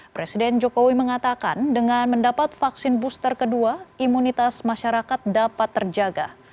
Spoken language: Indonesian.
presiden jokowi mengatakan dengan mendapat vaksin booster kedua imunitas masyarakat dapat terjaga